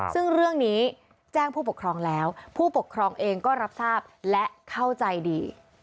ซึ่งเรื่องนี้แจ้งผู้ปกครองแล้วผู้ปกครองเองก็รับทราบและเข้าใจดี